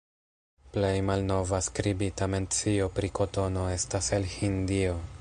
Plej malnova skribita mencio pri kotono estas el Hindio.